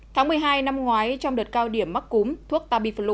tháng một mươi hai năm ngoái trong đợt cao điểm mắc cúm thuốc tamiflu rơi vào đất nước